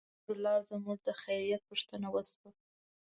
پر لار زموږ د خیریت پوښتنه وشوه.